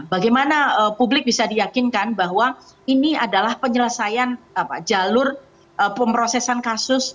bagaimana publik bisa diyakinkan bahwa ini adalah penyelesaian jalur pemrosesan kasus